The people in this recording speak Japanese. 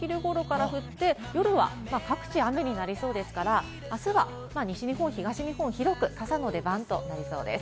大阪も昼頃から降って夜は各地雨になりそうですから、明日は西日本、東日本、広く傘の出番となりそうです。